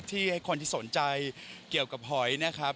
ให้คนที่สนใจเกี่ยวกับหอยนะครับ